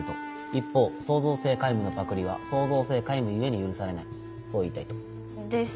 一方創造性皆無のパクリは創造性皆無ゆえに許されないそう言いたいと。です。